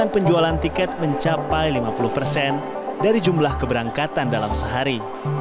penjualan tiket mencapai lima puluh persen dari jumlah keberangkatan dalam sehari